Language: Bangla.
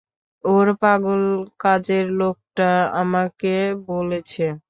ওর পাগল কাজের লোকটা আমাকে বলেছে।